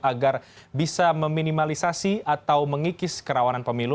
agar bisa meminimalisasi atau mengikis kerawanan pemilu